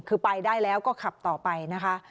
คือไปได้แล้วก็ขับต่อไปนะคะ